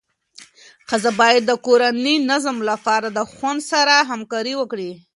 ښځه باید د کورني نظم لپاره د خاوند سره همکاري وکړي.